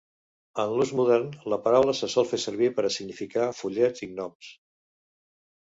En l'ús modern, la paraula se sol fer servir per a significar follets i gnoms.